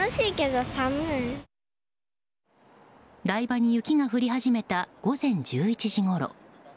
台場に雪が降り始めた午前１１時ごろ。